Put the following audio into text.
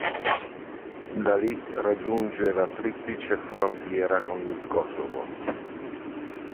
Da lì raggiunge la triplice frontiera con il Kosovo.